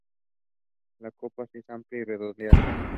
La copa es amplia y redondeada.